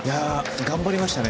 頑張りましたね。